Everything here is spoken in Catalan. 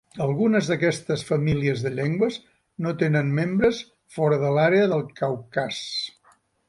Algunes d'aquestes famílies de llengües no tenen membres fora de l'àrea del Caucas.